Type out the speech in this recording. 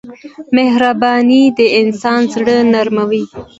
مهرباني د انسان زړه نرموي.